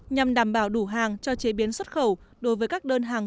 nhằm đảm bảo đủ hàng cho chế biến xuất khẩu đối với các đơn hàng